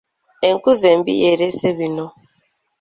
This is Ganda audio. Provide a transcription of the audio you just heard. Enkuza embi y'eleese bino.